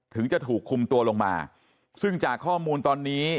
ถึงจะถูกคุมตัวลงมาซึ่งจากข้อมูลตอนนี้